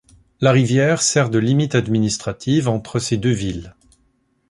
La rivière sert de limite administrative entre ces deux villes.